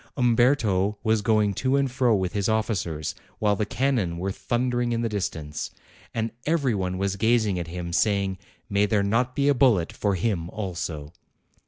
Umberto was going to and fro with his officers, while the cannon were thundering in the distance ; and every one was gazing at him and saying, 'May there not be a bullet for him also